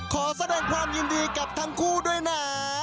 ขอแสดงความยินดีกับทั้งคู่ด้วยนะ